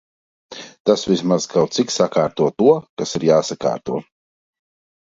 Tas vismaz kaut cik sakārto to, kas ir jāsakārto.